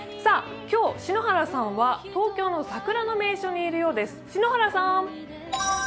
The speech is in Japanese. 今日、篠原さんは東京の桜の名所にいるようです。